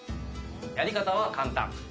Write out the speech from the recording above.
やり方は簡単。